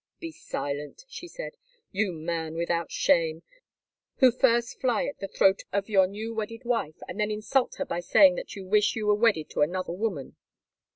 "Be silent," she said, "you man without shame, who first fly at the throat of your new wedded wife and then insult her by saying that you wish you were wedded to another woman.